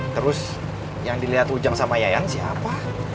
terus yang dilihat ujang sama yayan siapa